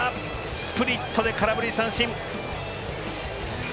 スプリットで空振り三振！